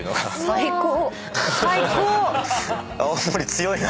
最高！